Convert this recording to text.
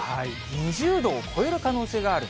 ２０度を超える可能性がある。